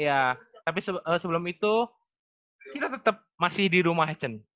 iya tapi sebelum itu kita tetap masih di rumah cen